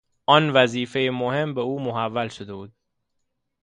آن وظیفه مهم به او محول شده بود